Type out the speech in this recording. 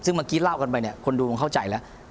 ซึ่งเมื่อกี้เล่ากันไปเนี่ยคนดูคงเข้าใจแล้ว